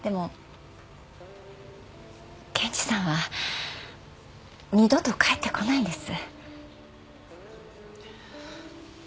健治さんは二度と帰ってこないんです。